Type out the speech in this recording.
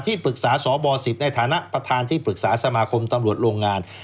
ปรึกษาสบ๑๐ในฐานะประธานที่ปรึกษาสมาคมตำรวจโรงงาน